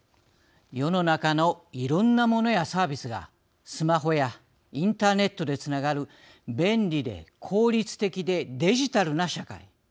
世の中のいろんなモノやサービスがスマホやインターネットでつながる便利で効率的でデジタルな社会。